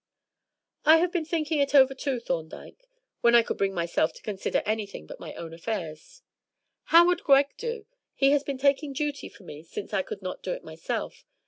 "I have been thinking it over, too, Thorndyke, when I could bring my mind to consider anything but my own affairs. How would Greg do? He has been taking duty for me since I could not do it myself.